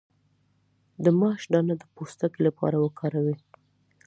د ماش دانه د پوستکي لپاره وکاروئ